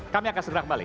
kami akan segera kembali